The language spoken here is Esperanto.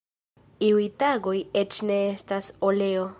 Iuj tagoj eĉ ne estas oleo.